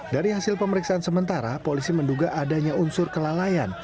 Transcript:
dari hasil pemeriksaan sementara polisi menduga adanya unsur kelalaian